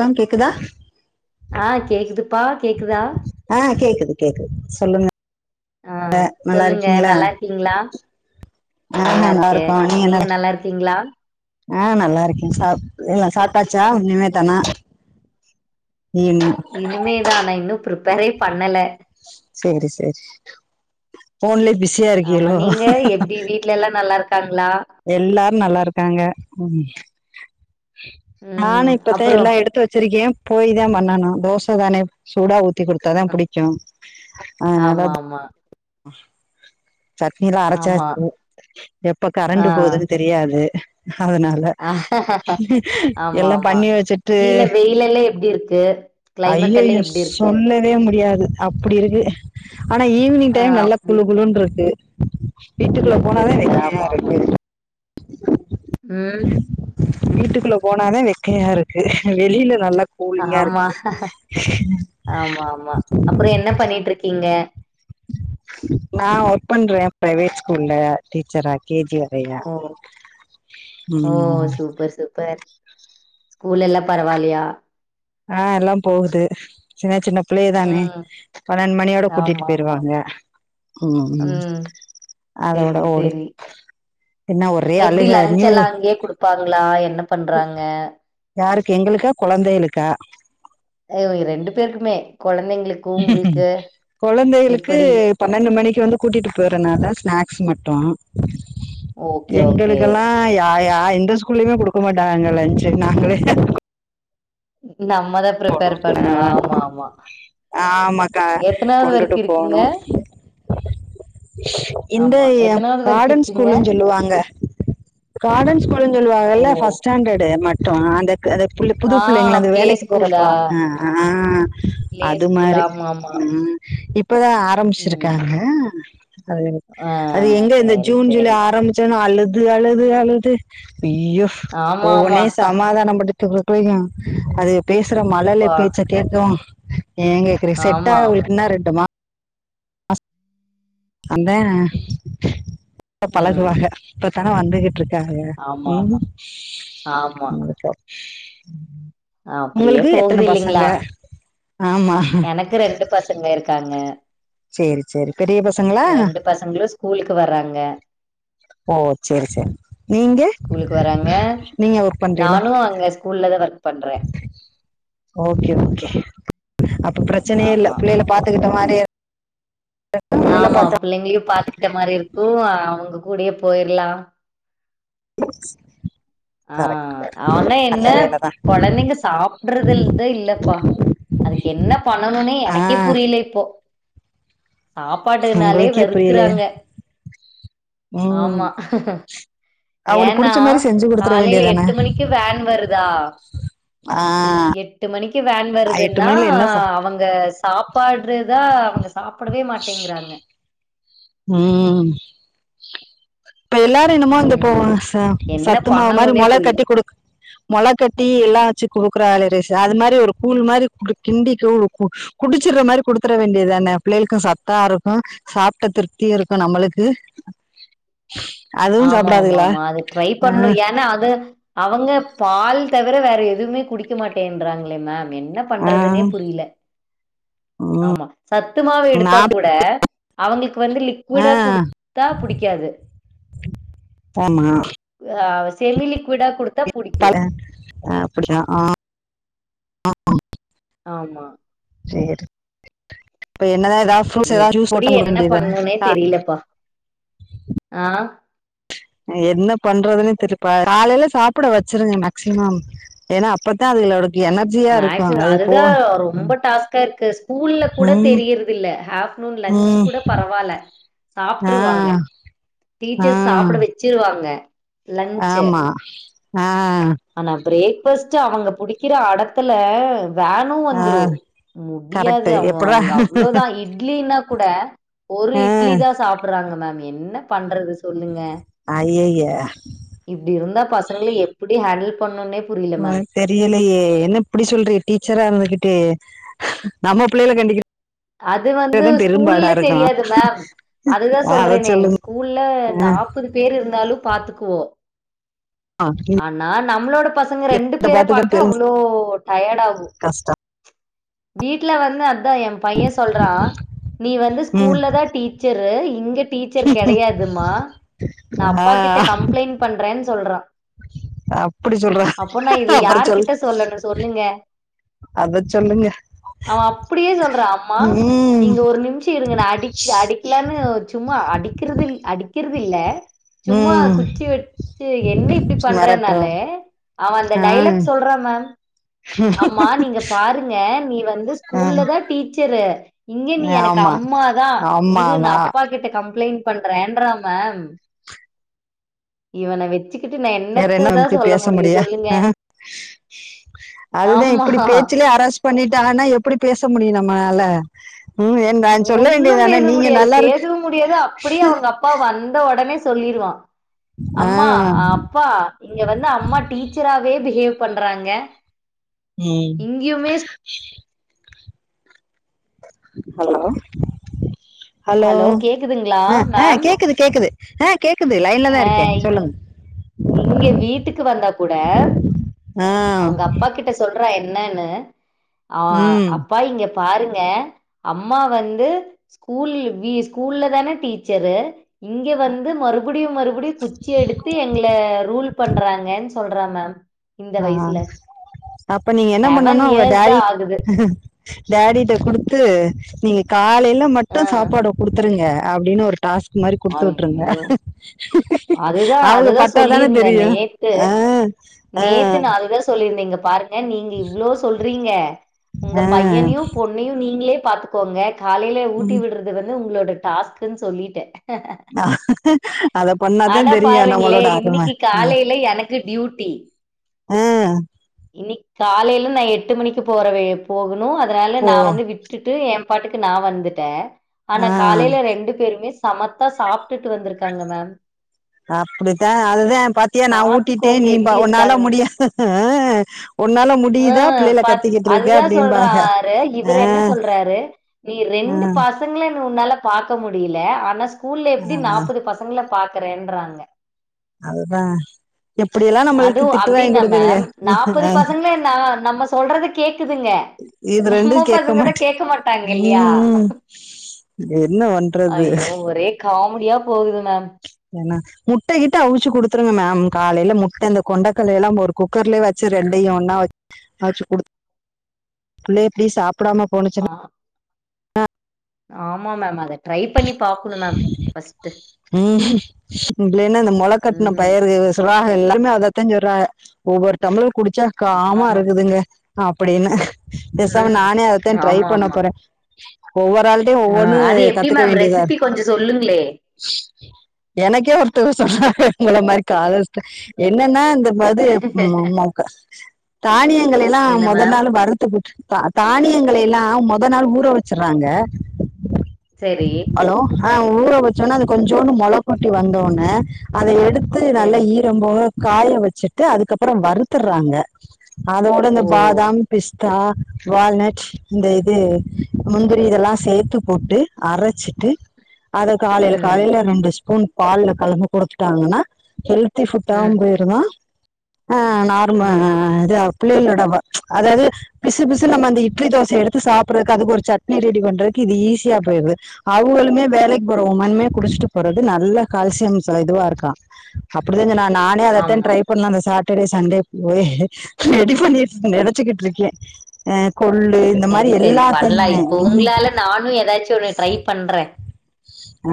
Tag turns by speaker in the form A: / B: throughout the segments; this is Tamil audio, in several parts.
A: கம் கேக்குதா
B: ஆ கேக்குதுப்பா கேக்குதா
A: ஆ கேக்குது கேக்குது சொல்லுங்க
B: ஆ
A: அ நல்லா
B: சொல்லுங்க
A: இருக்கிங்களா
B: நல்லா இருக்கீங்களா
A: ஆ நல்லா
B: இருக்கே
A: இருக்கோ நீ
B: நீங்க
A: என்னட
B: நல்லா இருக்கீங்களா
A: ஆ நல்லா இருக்கே சாப் இல்ல சாப்டாச்சா இனிமே தானா இன்
B: இனிமேதா நா இன்னு ப்ரிப்பரே பண்ணல
A: சேரி சேரி போன்லே பிஸ்
B: ஆமா நீங்க எப்டி வீட்லெல்லா நல்லா இருக்காங்களா
A: எல்லாரு நல்லா இருக்காங்க ம் நானு
B: ம்
A: இப்பத்தே
B: அப்புறோ
A: எல்லா எடுத்து வச்சிருக்கே போய் தா பண்ணனு தோச தானே சூடா ஊத் சுத்தி குடுத்தாதா புடிக்கு அதனால
B: ஆமா ஆமா
A: சட்னீலா அரச்சா
B: ஆமா
A: [inaudible] எப்ப
B: ஆ
A: கரண்டு போதுன்னு தெரியாது அதனா ல
B: ஆமா
A: எல்லா
B: ஆமா
A: பண்ணி வச்சுட்டு
B: கீழ வெயில் எல்லா எப்டி இருக்கு கிளைமேட் எல்லா
A: ஐய்யயோ
B: எப்டி இருக்கு
A: சொல்லவே முடியாது அப்புடி இருக்கு அனா ஈவ்னிங்
B: ஆ
A: டைம் நல்லா
B: அப்டி
A: குழு குழுன்ருக்கு வீட்டுக்குள்ள
B: இருக்கு
A: போனாவே
B: இருக்கு
A: வெக்கயா
B: ஆமா ஆமா
A: இருக்கு
B: ம்
A: வீட்டுக்குள்ள போனாதே வெக்கயா இருக்கு வெளில நல்லா கூலிங்கா
B: ஆமா
A: இருக்குது
B: ஆமாம்மா அப்பறோ என்ன பண்ணீட்ருக்கீங்க
A: நா ஒர்க் பண்றே ப்ரைவேட் ஸ்கூல்ல டீச்சரா கே ஜி ஆலயா
B: ஓ ஓ
A: ம்
B: சூப்பர் சூப்பர் ஸ்கூல்ல எல்லா பரவால்லையா
A: ஆ எல்லாம் போகுது சின்ன சின்ன பிள்ளைதானே
B: ம்
A: பன்னெண் மணியோட
B: ஆமா
A: கூட்டிட்டு
B: ஆமா
A: போயிருவாங்க ம் அதோட
B: சேரி
A: ஓடு
B: சேரி
A: என்ன ஒரே
B: எப்டி
A: அழுக
B: லன்ச்
A: நியூ
B: எல்லா அங்கயே குடுப்பாங்ளா என்ன பண்றாங்க
A: யாருக்கு எங்களுக்கா கொழந்தைளுக்கா
B: அ ரெண்டு பேருக்குமே கொழந்தைங்களுக்
A: கொழந்தைளுக்கு பன்னெண்டு மணிக்கு வந்து கூட்டிட்டு போய்யறனால ஸ்நாக்ஸ் மட்டு
B: ஓகே ஓகே
A: எங்களுக்கெலா யா யா எந்த ஸ்கூல்லிமே குடுக்க மாட்டாங்க அங்க லஞ்சு நாங்களே
B: நம்மதா ப்ரிப்பேர் பண்ணு ஆமா ஆமா
A: ஆமாக்கா
B: எத்தனாவது வரைக்கு
A: கொண்டுட்டு
B: இருக்கீங்க
A: போனு இந்த
B: ஆமா எத்தனாவது வரைக்கு
A: காடன்
B: இருக்கீங்க
A: ஸ்கூல்ன் சொல்லுவாங்க காடன் ஸ்கூல்னு
B: ஓ
A: சொல்வாகல்ல ஃபஸ்ட் ஸ்டேண்டடு மட்டு அந்த அந்த புல்லு புது
B: ஆ
A: புள்ளைங்கள அது
B: பிளே
A: வேலைக்கு
B: ஸ்கூலா
A: போறப்பா அ அ அ
B: பிளே
A: அது
B: ஸ்கூல்
A: மாரி
B: ஆமா ஆமா
A: ம் இப்பதா
B: ம்
A: ஆரம்மிச்சிருக்காங்க அ
B: ஆ சேரி சேரி
A: ஆரம்பிச்சோன்ன அழுது அழுது அழுது அய்யோ
B: ஆமா ஆமா
A: ஒவ்வன்னயு சமாதான படுத்தற குள்ளயு அதுக பேசுற மழல
B: பா
A: பேச்ச கேக்கவு ஏங்க இது செட்
B: ஆமா
A: ஆக
B: ஆமா
A: உங்ளுக்கு இன்னு ரெண்டு மா அந்தே [inaudible]
B: ம்
A: பழகுவாக இப்பத்தான வந்துகிட்ரு க்காக
B: ஆமா
A: ம்
B: ஆமா
A: [unintelligible]
B: ஆமா
A: ம்
B: அப்டியே
A: உங்களுக்கு
B: போகுது
A: எத்தன பசங்க
B: இல்லைங்களா
A: ஆமா
B: எனக்கு ரெண்டு பசங்க இருக்காங்க
A: சேரி சேரி பெரிய பசங்களா
B: பசங்களு ஸ்கூலுக்கு வர்றாங்க
A: ஓ செரி செரி நீங்க நீங்க ஒர்க் பண்றீங்களா
B: நானு அங்க ஸ்கூல்லதா ஒர்க் பண்றே
A: ஓகே ஓகே அப்ப பிரச்சனையே இல்ல
B: ஆமா.
A: பிள்ளைல பாத்துக்கிட்ட மாரி இருக்கு புள்ளைகள
B: ஆமா
A: பாத்த
B: பிள்ளைங்களையு பாத்துக்கிட்ட மாரி இருக்கு அவுங்க கூடே போயிர்லா ஆ
A: கரெக்ட் கரெக்ட்.
B: ஆனா
A: நல்ல
B: என்ன
A: வேலதா
B: கொழந்தைங்க சாப்பிட்றதில் தா இல்லப்பா அதுக்கு என்ன பண்ணணுனே
A: ஆ
B: எனக்கே புரிய்ல இப்போ சாப்பாட்டுனாலே
A: உங்களுக்கே புரியலையா
B: வெறுக்குறாங்க
A: ம்
B: ஆமா
A: அவங்களுக்கு
B: ஏனா
A: புடிச்ச மாரி செஞ்சு குடுத்துட
B: காலைல
A: வேண்டியதானே
B: எட்டு மணிக்கு வேன் வருதா
A: ஆ
B: எட்டு மணிக்கு வேன்
A: எட்டு
B: வருதுன்னா
A: மணில என்ன சா
B: அவுங்க சாப்பாட்றதா அவு ங்க சாப்பிடவே மாட்டிங்கிறாங்க
A: ம் இப்ப எல்லாரு என்னமோ இந்த போ
B: ம்
A: ச
B: என்ன
A: சத்துமாவு மாரி
B: பண்ணணுனே
A: மொள கட்டி குடுக்
B: [inaudible]
A: மொளக்கட்டி எல்லா வெச்சு குடுக்குறாலே [unintelligible] அது மாரி ஒரு கூழ் மாரி குடுக் கிண்டி கூ குடிச்சிற மாரி குடுத்துர வேண்டிதான பிள்ளைளுக்கு சத்தா இருக்கு சாப்ட்ட திருப்தி இருக்கு நம்மளுக்கு அதுவும்
B: ஆமா ஆமா
A: சாப்பிடாதுங்களா
B: ஆமா அது ட்ரை
A: ஆ,
B: பண்ணு ஏன்னா அது அவங்க பால் தவிர வேற எதுமே குடிக்க மாட்டேன்றாங்ளே மேம் என்ன
A: ஆ,
B: பண்றதுனே புரில
A: ம்,
B: ஆமா சத்துமாவ் எடுத்தா
A: நான்
B: கூட அவங்களுக்கு வந்து
A: ஆ,
B: லிக்விடா குடுத்தா புடிக்காது
A: ஆமா
B: ஆ செமி லிக்விடா குடு
A: பட ஆ அப்டியா ஆ
B: ஆமா
A: சேரி இப்ப என்னதா ஏதாவ்
B: எப்டி என்ன பண்ணுனே தெரியலப்பா ஆ
A: என்ன பண்றதுன்னு தெருப்பா காலைல சாப்பிட வச்சருங்க மேக்சிமம் ஏன்னா அப்பத்தா அதுலோடக்கு எனர்ஜியா இருக்கு
B: மேக்ஸிமம்
A: அது போ
B: அதுதான் ரொம்ப டாஸ்க்கா இருக்கு ஸ்கூல்ல கூட
A: ம்
B: தெரியறதில்ல ஆப்டர்நூன் லன்ச்சு
A: ம்
B: கூட பரவால்ல
A: ஆ
B: சாப்ட்ருவாங்க
A: ஆ
B: டீச்சர்ஸ் சாப்ட வெச்சிருவாங்க
A: ஆமா ஆ
B: ஆனா பிரேக்ஃபாஸ்ட் அவங்க புடிக்கிற அடத்துல வேனும்
A: ஆ
B: வந்துரும் முடியாது
A: கரெக்ட்
B: அவ
A: எப்புட்றா
B: அவங்க அவ்ள தா இட்லின்னா கூட ஒரு
A: ஆ
B: இட்லி தா சாப் ட்றாங்க மேம் என்ன பண்றது சொல்லுங்க
A: ஐய்யய்ய
B: இப்டி இருந்தா பசங்கள எப்டி ஹேண்டில் பண்ணுன்னே
A: ஆ தெரியலயே என்ன இப்டி சொல்ற டீச்சரா இருந்துகிட்டு நம்ம பிள்ளைல கண்டிக்க
B: அது வந்து ஸ்கூல்ல
A: இருக்கு
B: தெரியாது மேம் அதுதா
A: ஆ அத
B: சொல்றேனே
A: சொல்லுங்க
B: ஸ்கூல்ல நாப்பது பேர் இருந்தாலும் பாத்துக்குவோ
A: ஆ
B: ஆனா நம்மளோட பசங்க ரெண்டு
A: அத
B: பேர
A: பாத்துக்க
B: பாக்க
A: பெரும்
B: அவ்ளோ டயர்ட் ஆகும்
A: கஷ்டம்
B: வீட்ல வந்து அதா ஏ பையே சொல்றா நீ வந்து
A: ம்
B: ஸ்கூல்ல தா டீச் ச்சரு இங்க டீச்சர் கெடையாதுமா நா
A: ஆ
B: அப்பா கிட்ட கம்ப்ளைண்ட் பண்றேன்னு சொல்றா
A: அப்டி சொல்ற
B: அப்போ நா இத
A: அப்றோ
B: யார்
A: சொல்
B: கிட்ட சொல்லணு சொல்லுங்க
A: அத சொல்லுங்க
B: அவே அப்டியே சொல்றா அம்மா
A: ம்
B: நீங்க ஒரு நிமிஷ இருங்க நா அடி அடிக்கலான்னு சும்மா அடிக்கறது இல் அடிக்கறது இல்ல சும்மா
A: ம்
B: குச்சி வச்சு என்ன இப்டி
A: மிரட்றோ
B: பண்றனாலே அவெ அந்த
A: ஆ
B: டைலாக் சொல் ல்றா மேம் அம்மா நீங்க பாருங்க நீ வந்து
A: ஆ
B: ஸ்கூல்ல தா டீச் ச்சரு இங்க நீ எனக்கு
A: ஆமா
B: அம்மா தா
A: ஆமா
B: இரு நா
A: அதா
B: அப்பா கிட்ட கம்ப்ளைண்ட் பண்றேன்றா மேம் இவன வெச்
A: வேற என்ன அவன்ட்ட பேச முடியு
B: சொல்லுங்க
A: ஆ அதுதா
B: ஆமா
A: இப்டி பேச்சுலயே அரஸ்ட் பண்ணிட்டாங்கன்னா எப்டி பேச முடியு நம்மளால ம் என் நான் சொல்ல
B: ஒன்னும்
A: வேண்டியதானே
B: பேச
A: நீங்க
B: முடியாது
A: நல்லா இருக்கு
B: பேசவும் முடியாது அப்டியே அவங்க அப் அப்பா வந்த ஒடனே சொல்லிருவா
A: ஆ
B: அம்மா அப்பா இங்க வந்து அம்மா டீச்சராவே பிஹேவ் பண்றாங்க
A: ம்
B: இங்கயுமேஸ்
A: ஹலோ ஹலோ
B: கேக்குதுங்களா
A: ஆ ஆ
B: மேம்
A: கேக்குது கேக்குது ஆ கேக்குது லைன்லதா இருக்கே
B: அஹ் இங்
A: சொல்லுங்க
B: இங்க வீட்டுக்கு வந்தா கூட
A: ஆ
B: அவங்க அப்பா கிட்ட சொல்றா என்னான்னு அ
A: ம்
B: அப்ப அப்பா இங்க பாருங்க அம்மா வந்து ஸ்கூல் விஸ் ஸ்கூல்ல தானே டீச்சரு இங்க வந்து மறு மறுபடியு மறுபடியு குச்சி எடுத்து எங்கள ரூல் பண்றாங்கன்னு சொல்றா மேம் இந்த
A: ஆ
B: வயசுல
A: அப்ப நீங்க என்ன
B: செவன்
A: பண்ணனு அவங்க
B: இயர்ஸ் தா
A: டேடி
B: ஆகுது
A: டேடிட்ட குடுத்து நீங்க காலைல மட்டு
B: ஆ
A: சாப்பாடு குடுத்துருங்க அப்டின்னு ஒரு டாஸ்க் மாரி குடுத்து விட்ருங்க
B: ஐயோ அதுதா
A: அவங்க
B: அதுதா
A: பட்டாதானே
B: சொல்லியிருந்தே
A: தெரியு
B: நேத்
A: ஆ ஆ
B: நேத்து நா அதுதா சொல்லிருந்தே இங்க பாரு நீங்க இவ்ளோ சொல்றீங்க உங்க
A: ஆ
B: பையனையு பொண்ணையு நீங்களே பாத்துக்கோங்க காலைலே ஊட்டி
A: ம்.
B: விட்றது வந்து உங்ளோட டாஸ்க்குன்னு சொல்லிட்டே
A: அத பண்ணாதா தெரியு
B: பாருங்களே
A: நம்மளோட அருமை
B: இன்னைக்கு
A: ஆ
B: காலையில எனக்கு
A: ஆ
B: இன் காலையில நா எட்டு மணிக்கு போறவே போகணு அதனால
A: போ
B: நா வந்து வி ட்டு எ பாட்டுக்கு நா வந்துட்டே
A: ஆ
B: ஆனா காலைல ரெண்டு ரெண்டு பெருமே சமத்தா சாப்பிட்டுட்டு வந்திருக்காங்க மேம்
A: அப்டித்தா அதுதா பாத்தியா நா ஊட்டிட்டே
B: பாத்துக்கோங்க
A: நீ ப
B: எப்படி
A: உன்னால முடியா உ
B: அ பா அதுதா
A: அப்டிம்பாங்க
B: சொல்றாரு
A: ஆ
B: இவரு என்ன சொல்றாரு நீ
A: ஆ
B: ரெண்டு பாஸ் பசங்கள உன்னால பாக்க முடியல ஆனா ஸ்கூல்ல எப்டி நாப்பது பசங்கள பாக்குறேன்றாங்க
A: அதுதா எப்படியெல்லா
B: அதுவு அப்படின்னா மேம் நாப்பது
A: ஆ
B: பசங்களு நம்ம சொல்றத கேக்குதுங்க
A: இது ரெண்டு
B: நம்ம
A: கேக்க
B: பசங்கதா
A: மாட்டே
B: கேக்க மாட்டாங்க இல்லையா
A: ம் என்ன பண்றது
B: ஐயோ ஒரே காமோடியா போகுது மேம்
A: ஏன்னா முட்டை கிட்ட அவிச்சு குடுத்துருங்க மேம் காலையில முட்ட இந்த கொண்டைக்கல எல்லா ஒரு குக்கர்லயே வெச்சு ரெண்டையு ஒன்னா அவிச்சு குடு புள்ள இப்பிடி சாப்பிடாம போன
B: ஆ ஆமா மேம் அத ட்ரை பண்ணி பாக்கணு மேம் ஃபஸ்டு
A: உம் இல்லேனா இந்த மொள கட்ன
B: ம்
A: பயிரு சிவா எல்லாருமே அதத்தா சொல்ராங்க ஒவ்வொரு டம்பளரு குடிச்சா
B: ஆமா
A: காமா
B: மேம்
A: இருக்குதுங்க அப்படின்னு பேசாம
B: ம்
A: நானே அததா ட்ரை
B: ஆமா
A: பண்ண
B: ஆமா
A: போறே ஒவ்வொரு ஆள்ட்டையு ஒவ்வொன்னு கத்துக்க வேண்டியதா
B: கொஞ்சு சொல்லுங்களே
A: எனக்கே ஒருத்தங்க சொன்னாங்க உங்கள மாரி காலர்ஸ்ட்ட என்னன்னா இந்த வது ம் ஆ தானியங்கள எல்லா
B: என்ன
A: மொதல்
B: மேம்?
A: நாள் வருத் துட்டு தானியங்களை எல்லா மொதல் நாள் ஊற வெச்சறாங்க
B: செரி
A: ஹலோ ஆ ஊர வச்சோனா அது கொஞ்சோன்னு மொள குட்டி வந்தோனே அத எடுத்து நல்லா
B: சரி.
A: ஈ போக காய வச்சுட்டு அதுக்கப்புறோ வருத்துடுறாங்க அதோட இந்த
B: ஓ!
A: பா பாதாம் பிஸ்தா வால்நட் இந்த
B: ம்,
A: இது முந்திரி இதெல்லா சேத்து போட்டு அரைச்சிட்டு அத காலையில
B: ம்,
A: காலையில ரெண்டு ஸ்பூன் பால்ல களந்து குடுத்துட்டாங்கன்னா ஹெல்த ஹெல்த்தி ஃபுட்டாவு
B: ம்,
A: போயிருங்க ஆ நார்ம ஆ
B: ம்.
A: ஆ இதா பிள்ளைலோடு அவ்வா அதாது பிசு பிசுனு நம்ம அந்த இட்லி தோசைய எடுத்து சாப்பிட்றக்கு அதுக்கு ஒரு சட்னி ரெடி பண்றது இதுக்கு ஈஸியா போயிருது அவுங்களுமே வேலைக்கு போறவுமே குடிச்சிட்டு போறது நல்ல கால்சியம் இதுவா இருக்கா அப்டிதா சொங் நானே அதத்தா
B: ஆமா.
A: ட்ரை பண்ணே அந்த சாட் ட்டர்டே சண்டே போய் ரெடி பண்ணி வெச் நெனச்சிட்டு இருக்கே ஆ கொள்ளு இந்த மாதிரி
B: செரி சரி பண்ணலா
A: எல்லாத்தையுமே
B: இப்ப
A: உம்
B: உங்களால நானு ஏதாச்சி ஒன்னு ட்ரை பண்றே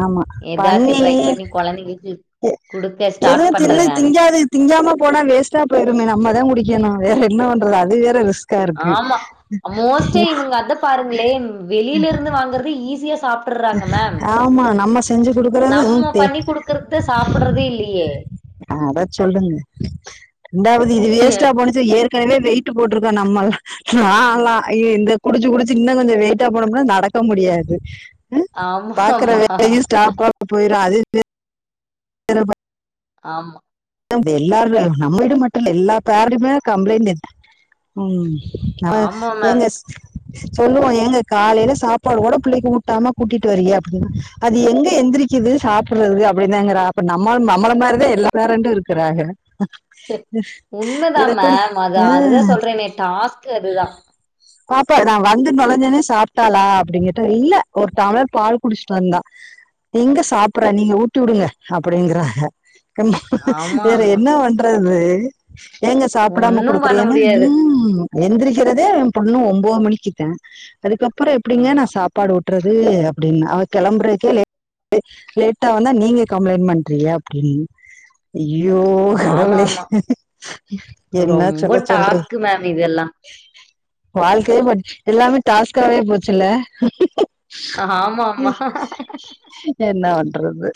A: ஆமா
B: ஏதாச்சி
A: பண்ணி
B: ட்ரை பண்ணி கொழந்தைங்களுக்கு
A: எ-
B: குடுக்க ஸ்டார்ட்
A: எதுவும்
B: பண்ற
A: தின்னு
B: நானு
A: திங்காது திங்காம போனா வேஸ்ட்டா போயிருமே நம்ம தா குடிக்கணு வேற என்ன பண்றது அது வேற ரிஸ்க்
B: ஆமா மோஸ்ட்டா இவுங்க அத பாருங்களே வெளியில இருந்து வாங்குறது ஈஸியா சாப்ப சாப்புட்றாங்க மேம்
A: ஆமா நம்ம செஞ்சு கொடுக்கறது ம்,
B: நம்ம
A: தே-
B: பண்ணி குடுக்கறத சாப்பிட்றதே இல்லையே
A: அத சொல்லுங்க ரெண்டாவது இது வேஸ்டா போனுச்சி ஏற்க் ஏற்கனவே வெயிட் போட்டிருக்கோ நம்ம நாலா இந்த குடிச்சி குடிச்சி இன்னு கொஞ்சோ வெயிட்டா போனோம்னா நடக்க முடியாது பாக்குற
B: ஆமாமா.
A: வேலையு ஸ்டாப்பா போயிட அது [inaudible]
B: ஆமா
A: இல்லம்ல எல்லார் நம்ம வீடு மட்டு இல்ல எல்லா பேரன்டுமே கம்பளைண்ட் எத் ம் ஆ நீங்க
B: இ
A: சொல்லுவோ எங்க காலையில சாப்பாடு கூட பிள்ளைக்கு ஊட்டாம கூட்டிட்டு வரியே அப்டின்னா அது எங்க எந்திரிக் க்கிது சாப்புட்றது அப்டின்தா இங்குறா அப்ப நம்ம நம்மள மாரி தா எல்லா பேரண்ட் இருக்குறாக இத
B: உண்மதான்
A: கூடு
B: மேம். அது அதுதான் சொல்றேனே டாஸ்க் அதுதான்.
A: பாப்பா நான் வந்து நெழஞ்ச ஒன்னே சாப்டாளா அப்டின் கேட்டா இல்ல ஒரு டம்ளர் பால் குடிச்சுட்டு வந்தந்தா எங்க சாப்புட்ற நீங்க ஊட்டி உடுங்க அப்டிங்கறாக
B: ஆமா ஆமா
A: என்ன பண்றது எங்க சாப்டாம
B: ஒண்ணும் பண்ண
A: குடுக்குறியான்னா
B: முடியாது.
A: ம் எந்திரிக்கிறதே எயா பொண்ணு ஒம்போது மணிக்குத்தா அதுக்கப்றோ எப்டிங்க நா
B: ஆமா.
A: சாப் சப்பாடு உட்றது அப்டின்னா அவ கெளம்புறதுக்கே லேட் லேட்டா வந்தா நீங்க கம்ப்ளைன்ட் பண்றிங்க அப்டின் ஐயோ
B: ஆமா
A: கடவுளே
B: ஆமா.
A: என்ன
B: ரொம்ப
A: சொல்ல சொல்ற
B: டாஸ்க்கு மேம் இதெல்லாம்.
A: வாழ்க்கையே பார் எல்லாமே டாஸ்காவே போச்சில்ல
B: ஆமா ஆமா
A: என்னா பண்றது